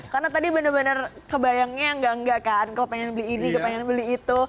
karena tadi benar benar kebayangnya enggak enggak kan kalau pengen beli ini pengen beli itu